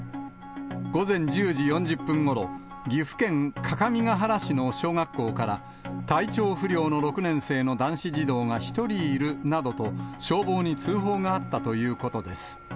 午前１０時４０分ごろ、岐阜県各務原市の小学校から、体調不良の６年生の男子児童が１人いるなどと、消防に通報があったということです。